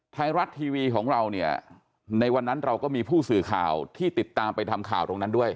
ไทยรัฐทีวีของเราเนี่ยในวันนั้นเราก็มีผู้สื่อข่าวที่ติดตามไปทำข่าวตรงนั้นด้วย